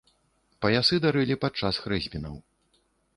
Паясы дарылі падчас хрэсьбінаў.